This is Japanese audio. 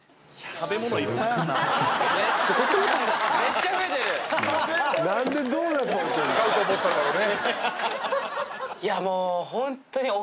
使うと思ったんだろうね